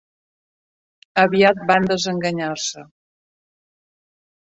Aviat van desenganyar-se.